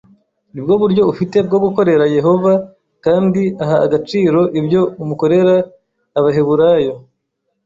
Ni bwo buryo ufite bwo gukorera Yehova kandi aha agaciro ibyo umukorera Abaheburayo